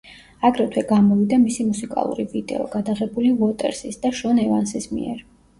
აგრეთვე გამოვიდა მისი მუსიკალური ვიდეო, გადაღებული უოტერსის და შონ ევანსის მიერ.